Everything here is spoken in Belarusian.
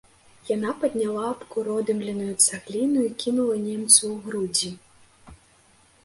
Яна падняла абкуродымленую цагліну і кінула немцу ў грудзі.